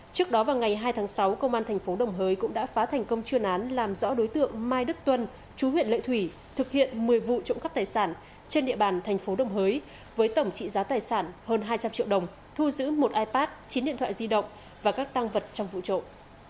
trước đó vào ngày hai tháng sáu công an thành phố đồng hới cũng đã phá thành công chuyên án làm rõ đối tượng mai đức tuân chú huyện lệ thủy thực hiện một mươi vụ trộm cắp tài sản trên địa bàn thành phố đồng hới với tổng trị giá tài sản hơn hai trăm linh triệu đồng thu giữ một ipad chín điện thoại di động và các tăng vật trong vụ trộm